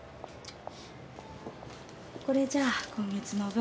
これじゃあ今月の分。